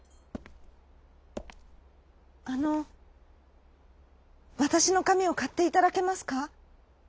「あのわたしのかみをかっていただけますか？」。